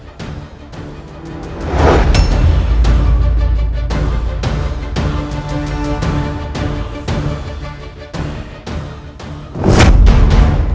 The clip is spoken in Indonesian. sandika gusti prabu